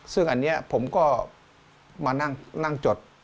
ซึ่งอันนี้ผมก็มานั่งจด